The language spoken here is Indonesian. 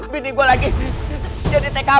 bini gue lagi jadi tkp